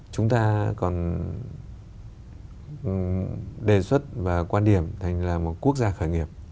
chúng ta còn đề xuất và quan điểm thành là một quốc gia khởi nghiệp